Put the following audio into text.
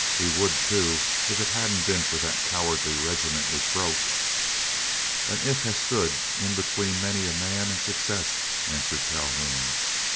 We would, too, if it hadn't been for that cowardly regiment which broke." "An 'if' has stood in between many a man and success," answered Calhoun.